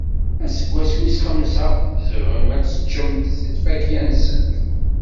Aseggas wis xemsa, tzemrem ad teččem si lfakya-nsent.